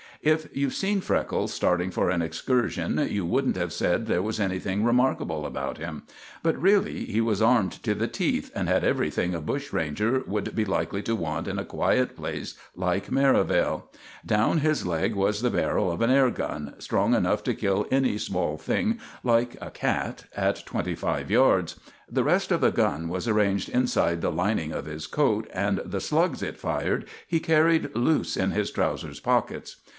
If you'd seen Freckles starting for an excursion you wouldn't have said there was anything remarkable about him; but really he was armed to the teeth, and had everything a bushranger would be likely to want in a quiet place like Merivale. Down his leg was the barrel of an air gun, strong enough to kill any small thing like a cat at twenty five yards; the rest of the gun was arranged inside the lining of his coat, and the slugs it fired he carried loose in his trousers pockets.